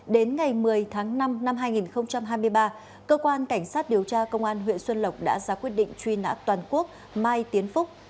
đến ngày một mươi tháng năm năm hai nghìn hai mươi ba cơ quan cảnh sát điều tra công an huyện xuân lộc đã ra quyết định truy nã toàn quốc mai tiến phúc